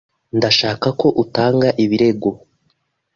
Ndashaka ko utanga ibirego.